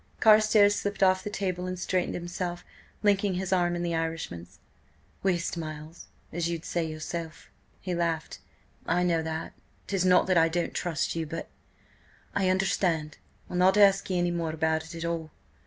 Carstares slipped off the table and straightened himself, linking his arm in the Irishman's. "Whist, Miles, as you'd say yourself," he laughed, "I know that. 'Tis not that I don't trust you, but—" "I understand. I'll not ask ye any more about it at all.